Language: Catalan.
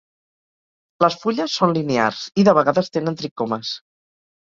Les fulles són linears i de vegades tenen tricomes.